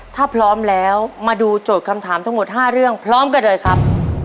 ถ้าพร้อมแล้วมาดูโจทย์คำถามทั้งหมด๕เรื่องพร้อมกันเลยครับ